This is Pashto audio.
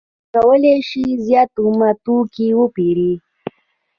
هغه کولای شي زیات اومه توکي وپېري